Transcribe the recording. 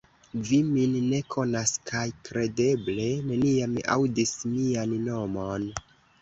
Vi min ne konas kaj kredeble neniam aŭdis mian nomon.